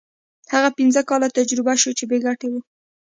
هغه پنځه کاله تجربه شو چې بې ګټې وو.